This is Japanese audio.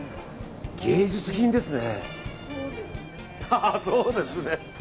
芸術品ですね。